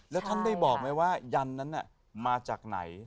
แล้วท่านได้บอกไหมว่ายันนั้นมาจากไหน